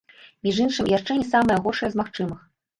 Між іншым, яшчэ не самае горшае з магчымых.